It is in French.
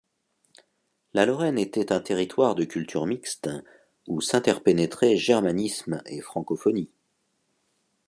La Lorraine était un territoire de culture mixte où s'interpénétraient germanisme et francophonie.